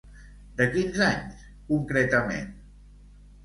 De quins anys concretament?